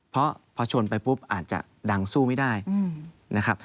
เพราะพอชนไปปุ๊บอาจจะดังสู้ไม่ได้นะครับ